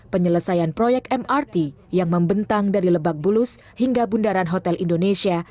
penyelesaian proyek mrt yang membentang dari lebak bulus hingga bundaran hotel indonesia